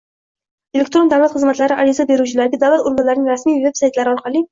Elektron davlat xizmatlari ariza beruvchilarga davlat organlarining rasmiy veb-saytlari orqali